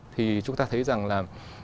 thì chúng ta thấy rằng là